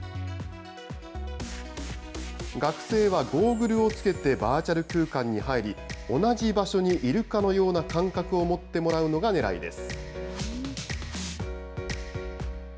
学生はゴーグルを着けてバーチャル空間に入り、同じ場所にいるかのような感覚を持ってもらうのがねらいです。